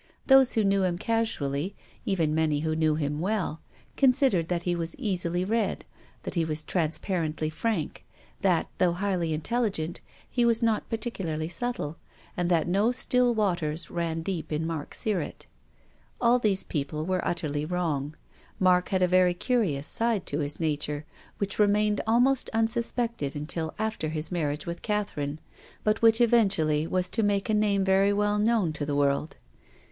Those who knew him casually, even many who knew him well, considered that he was easily read, that he was transparently frank, that, though highly intelligent, he was not particularly subtle, and that no still waters ran deep in Mark Sirrett. All these people were utterly wrong. Mark had a very curious side to his nature, which remained almost unsuspected until after his mar riage with Catherine, but which eventually was to make a name very well known to the world.